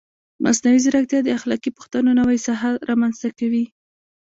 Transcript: مصنوعي ځیرکتیا د اخلاقي پوښتنو نوې ساحه رامنځته کوي.